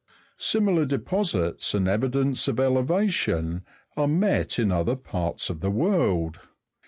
Similar deposits and evidence of elevation are met in other parts of the world.